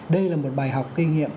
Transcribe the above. đây là một bài học kinh nghiệm